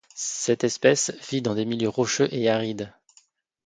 Cette espèce vit dans des milieux rocheux et arides.